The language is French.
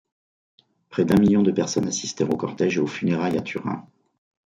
Près d'un million de personnes assistèrent au cortège et aux funérailles à Turin.